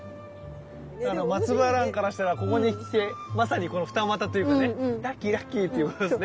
マツバランからしたらここに来てまさにこの二股というかねラッキーラッキーっていうことですね。